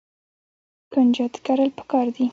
کنجد کرل پکار دي.